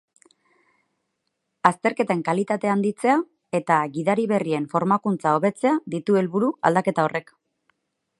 Azterketen kalitatea handitzea eta gidari berrien formakuntza hobetzea ditu helburu aldaketa horrek.